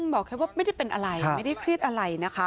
บอกแค่ว่าไม่ได้เป็นอะไร